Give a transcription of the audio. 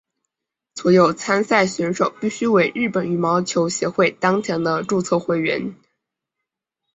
所有参赛选手必须为日本羽毛球协会当前的注册会员。